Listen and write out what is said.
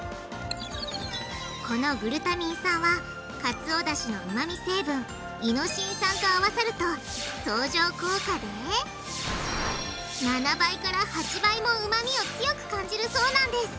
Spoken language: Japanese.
このグルタミン酸はカツオダシのうまみ成分イノシン酸と合わさると相乗効果で７８倍もうまみを強く感じるそうなんです！